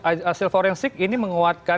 baik kalau hasil forensik ini menguatkan